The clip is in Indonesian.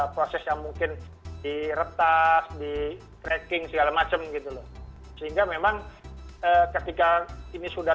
proses yang mungkin diretas di tracking segala macam gitu loh sehingga memang ketika ini sudah